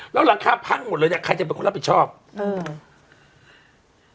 แล้วหลังคาพังหมดเลยเนี้ยใครจะเป็นคนรับผิดชอบอืม